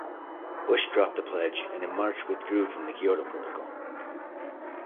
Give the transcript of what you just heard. Bush dropped the pledge, and in March withdrew from the Kyoto Protocol.